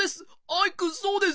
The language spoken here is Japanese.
アイくんそうです。